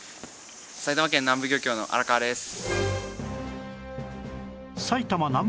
埼玉県南部漁協のあらかわです。